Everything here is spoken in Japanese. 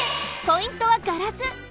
ポイントはガラス！